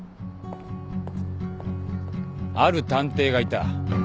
ある探偵がいた。